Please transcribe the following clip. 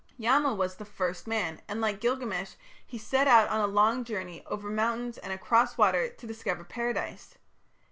Yama was "the first man", and, like Gilgamesh, he set out on a journey over mountains and across water to discover Paradise.